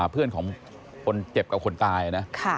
เพื่อนของคนเจ็บกับคนตายนะ